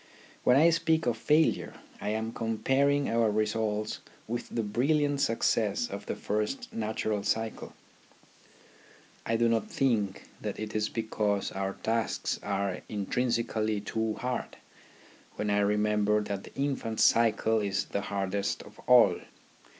When I speak of failure, I am comparing our results with the brilliant success of the first natural cycle. I do not think that it is because our tasks are intrinsically too hard, when I remem ber that the infant's cycle is the hardest of all.